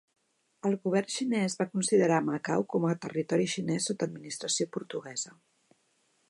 El govern xinès va considerar a Macau com a territori xinès sota administració portuguesa.